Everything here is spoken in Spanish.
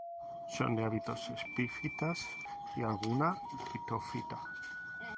Son de hábitos epífitas y alguna litófita.